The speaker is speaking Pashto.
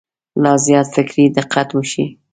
لا زیات فکري دقت وشي.